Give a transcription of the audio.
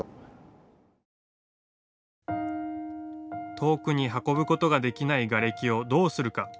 遠くに運ぶことができないがれきをどうするか。